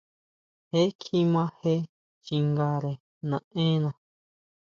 Je kjima jee chingare naʼenna.